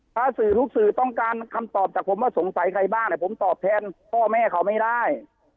ถ้าสื่อทุกสื่อต้องการคำตอบจากผมว่าสงสัยใครบ้างผมตอบแทนพ่อแม่เขาไม่ได้